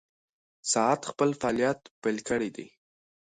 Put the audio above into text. ساعت خپل فعالیت پیل کړی دی.